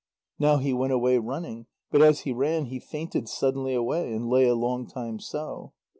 Now he went away running, but as he ran he fainted suddenly away, and lay a long time so.